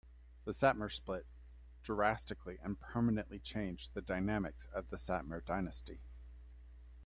The Satmar split, drastically and permanently changed the dynamics of the Satmar dynasty.